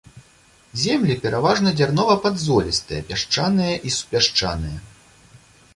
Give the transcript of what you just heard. Землі пераважна дзярнова-падзолістыя, пясчаныя і супясчаныя.